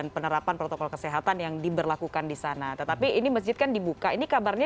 penerapan protokol kesehatan yang diberlakukan di sana tetapi ini masjid kan dibuka ini kabarnya